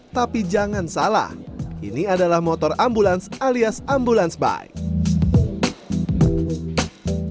tapi jangan salah ini adalah motor ambulans alias ambulans bike